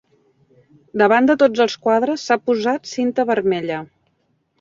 Davant de tots els quadres s'ha posat cinta vermella.